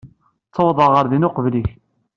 Ttawḍeɣ ɣer din uqbel-im.